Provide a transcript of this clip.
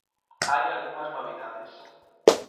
Hai algunhas novidades.